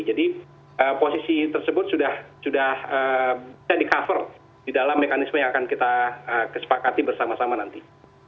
jadi posisi tersebut sudah bisa di cover di dalam mekanisme yang akan kita kesepakati bersama sama nanti